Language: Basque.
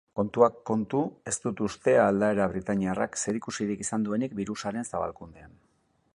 Kontuak kontu, ez du uste aldaera britainiarrak zerikusirik izan duenik birusaren zabalkundean.